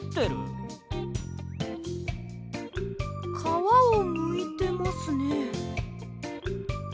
かわをむいてますね。